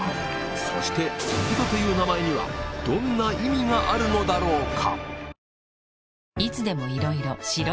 そして「ときど」という名前にはどんな意味があるのだろうか？